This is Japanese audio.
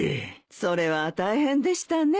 それは大変でしたね。